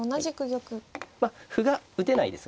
まあ歩が打てないですね。